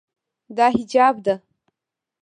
دا حجاب ده.